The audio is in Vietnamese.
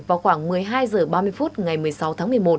vào khoảng một mươi hai h ba mươi phút ngày một mươi sáu tháng một mươi một